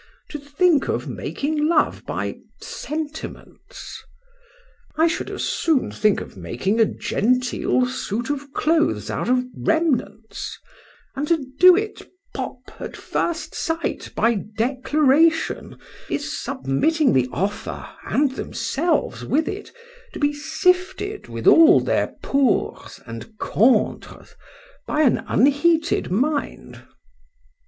—To think of making love by sentiments! I should as soon think of making a genteel suit of clothes out of remnants:—and to do it—pop—at first sight, by declaration—is submitting the offer, and themselves with it, to be sifted with all their pours and contres, by an unheated mind.